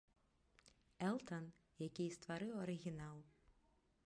Элтан, які і стварыў арыгінал.